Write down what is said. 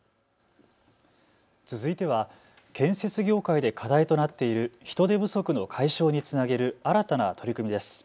続いては建設業界で課題となっている人手不足の解消につなげる新たな取り組みです。